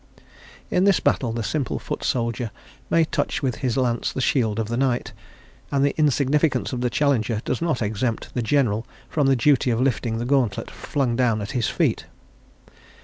In this battle the simple foot soldier may touch with his lance the shield of the knight, and the insignificance of the challenger does not exempt the general from the duty of lifting the gauntlet flung down at his feet.